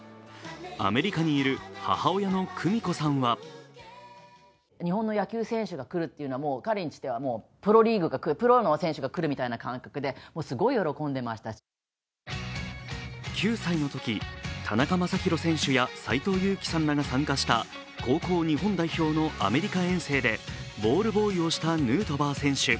アメリカにいる母親の久美子さんは９歳のとき、田中将大選手や斎藤佑樹さんらが参加した高校日本代表のアメリカ遠征でボールボーイをしたヌートバー選手。